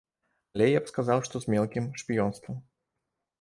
Але я б сказаў, што з мелкім шпіёнствам.